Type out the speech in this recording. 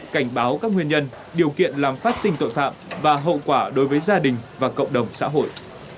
cảnh báo các nguyên nhân điều kiện làm phát sinh tội phạm và hậu quả đối với gia đình và cộng đồng xã hội